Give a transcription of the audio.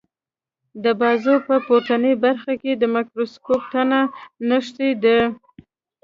د بازو په پورتنۍ برخه کې د مایکروسکوپ تنه نښتې ده.